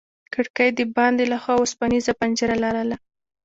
کړکۍ د باندې له خوا وسپنيزه پنجره لرله.